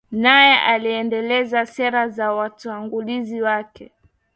naye aliendeleza sera za watangulizi wake